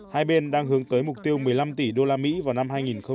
hai bên đang hướng tới mục tiêu một mươi năm tỷ đô la mỹ vào năm hai nghìn hai mươi